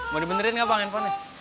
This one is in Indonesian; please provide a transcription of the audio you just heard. mau dibenerin gak bang infonya